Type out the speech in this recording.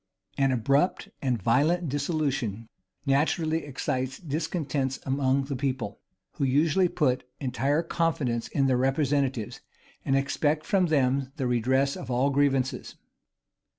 An abrupt and violent dissolution naturally excites discontents among the people, who usually put entire confidence in their representatives, and expect from them the redress of all grievances.